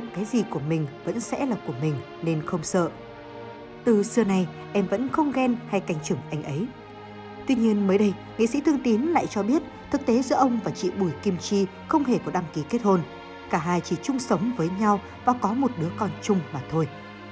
kinh tế giữa ông và chị bùi kim chi không hề có đăng ký kết hôn cả hai chỉ chung sống với nhau và có một đứa con chung mà thôi